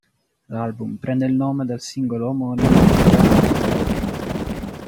L'album prende il nome dal singolo omonimo, un rap-melodico.